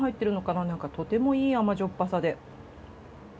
なんかとてもいい甘じょっぱさで。